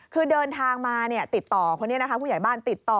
คือเดินทางมาติดต่อคนนี้นะคะผู้ใหญ่บ้านติดต่อ